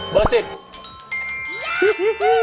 เบอร์๑๐